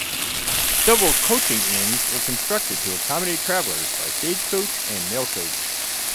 Several coaching inns were constructed to accommodate travellers by stagecoach and mail coach.